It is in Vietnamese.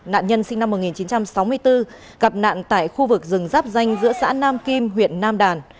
nạn nhân sinh năm một nghìn chín trăm sáu mươi bốn gặp nạn tại khu vực rừng giáp danh giữa xã nam kim huyện nam đàn